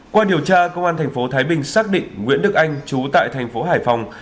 qua điều tra công an thành phố thái bình xác định nguyễn đức anh chú tại thành phố hải phòng